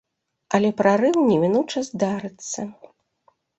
Але прарыў немінуча здарыцца.